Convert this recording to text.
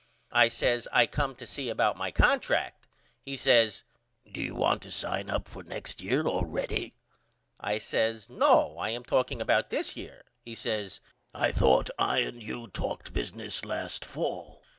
I says I come to see about my contract. He says Do you want to sign up for next year all ready? I says No I am talking about this year. He says I thought I and you talked business last fall.